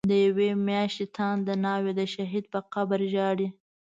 دیوی میاشتی تانده ناوی، د شهید په قبر ژاړی